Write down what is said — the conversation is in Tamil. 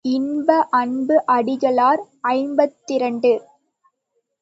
இன்ப அன்பு அடிகளார் ஐம்பத்திரண்டு.